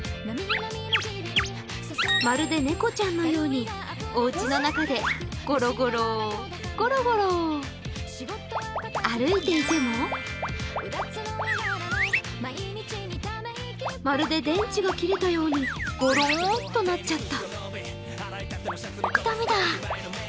まるで猫ちゃんのようにおうちの中でゴロゴロゴロゴロ歩いていてもまるで、電池が切れたようにゴローンとなっちゃった。